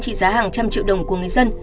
trị giá hàng trăm triệu đồng của người dân